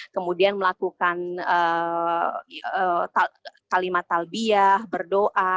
kemudian melakukan kalimat talbiah berdoa